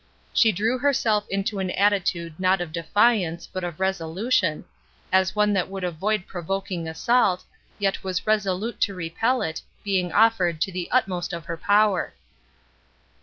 She drew herself into an attitude not of defiance, but of resolution, as one that would avoid provoking assault, yet was resolute to repel it, being offered, to the utmost of her power.